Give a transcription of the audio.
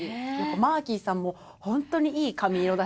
マーキーさんもホントにいい髪色だし。